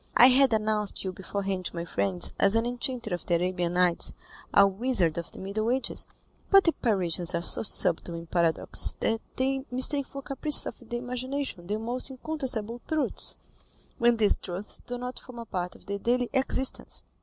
"I had announced you beforehand to my friends as an enchanter of the Arabian Nights, a wizard of the Middle Ages; but the Parisians are so subtle in paradoxes that they mistake for caprices of the imagination the most incontestable truths, when these truths do not form a part of their daily existence.